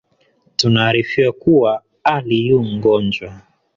Tunaarifiwa kuwa Ali yu n’gonjwa